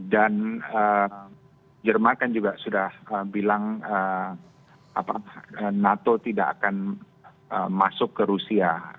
dan jerman kan juga sudah bilang nato tidak akan masuk ke rusia